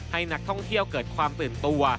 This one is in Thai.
ให้นักท่องเที่ยวเกิดความตื่นตัว